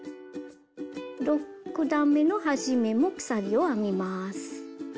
６段めの始めも鎖を編みます。